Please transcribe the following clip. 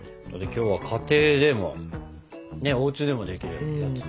今日は家庭でもおうちでもできるやつ。